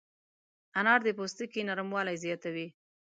انار د پوستکي نرموالی زیاتوي.